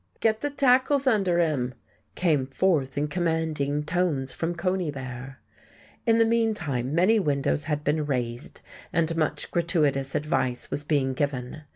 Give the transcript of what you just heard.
"Get the tackles under him!" came forth in commanding tones from Conybear. In the meantime many windows had been raised and much gratuitous advice was being given.